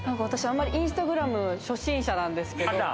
私はインスタグラム初心者なんですけど。